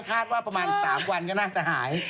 ประมาณ๓วันก็น่าจะหาย